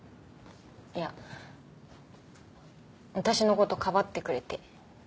いや私の事かばってくれて。